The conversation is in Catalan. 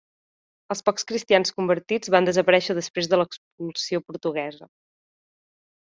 Els pocs cristians convertits van desaparèixer després de l'expulsió portuguesa.